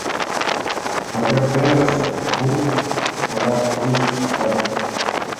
Адак перыш, луй садак ыш лек.